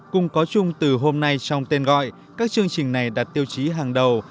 cùng có chung từ hôm nay trong tên gọi các chương trình này đặt tiêu chí hàng đầu